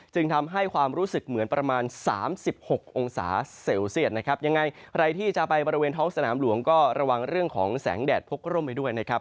จึงทำให้ความรู้สึกเหมือนประมาณสามสิบหกองศาเซลเซียตนะครับยังไงใครที่จะไปบริเวณท้องสนามหลวงก็ระวังเรื่องของแสงแดดพกร่มไปด้วยนะครับ